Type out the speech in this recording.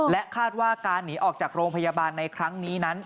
คาดว่าการหนีออกจากโรงพยาบาลในครั้งนี้นั้น